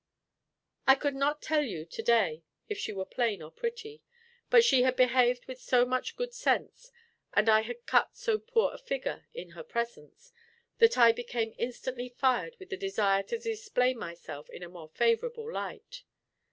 I could not tell you to day if she were plain or pretty; but she had behaved with so much good sense, and I had cut so poor a figure in her presence, that I became instantly fired with the desire to display myself in a more favorable light.